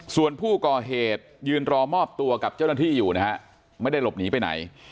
ส่วนผู้ก่อเหตุยืนรอมอบตัวกับเจ้าหน้าที่อยู่นะฮะไม่ได้หลบหนีไปไหน